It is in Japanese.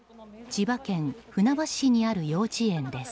千葉県船橋市にある幼稚園です。